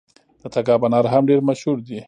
د تګاب انار هم ډیر مشهور دي.